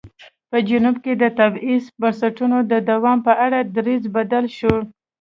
په جنوب کې د تبعیض بنسټونو د دوام په اړه دریځ بدل شو.